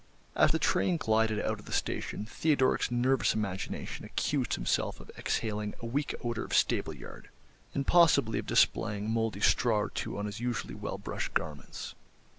As the train glided out of the station Theodoric's nervous imagination accused himself of exhaling a weak odour of stable yard, and possibly of displaying a mouldy straw or two on his usually well brushed garments.